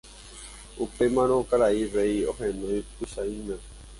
Upémarõ karai rey ohenói Pychãime.